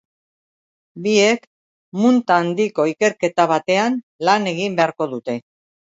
Biek munta handiko ikerketa batean lan egin beharko dute.